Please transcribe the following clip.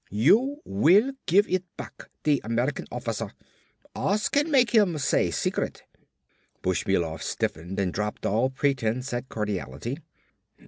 You will give it back, the American officer. Us can make him say secret." Bushmilov stiffened and dropped all pretense at cordiality.